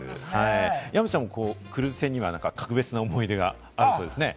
山ちゃんもクルーズ船には格別な思い出があるそうですね？